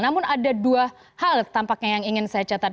namun ada dua hal tampaknya yang ingin saya catat